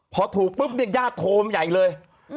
พอถูกปุ๊บเนี่ยญาติโทรมาใหญ่เลย